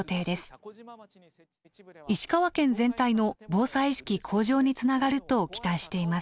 石川県全体の防災意識向上につながると期待しています。